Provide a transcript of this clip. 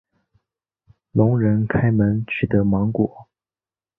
聋人开门取得芒果。